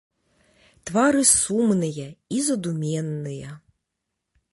Твары сумныя і задуменныя.